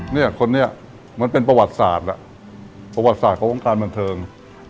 เนี่ยคนนี้เหมือนเป็นประวัติศาสตร์ประวัติศาสตร์ขององค์การบรรเทิง